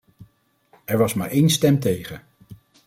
Er was maar één stem tegen.